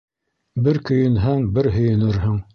Бер көйөнһәң, бер һөйөнөрһөң.